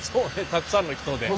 たくさんの人で。